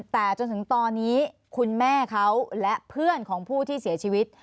แต่จนถึงตอนนี้คุณแม่เขาและเพื่อนของผู้ที่เสียชีวิต